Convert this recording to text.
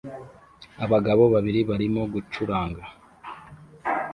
abagabo babiri barimo gucuranga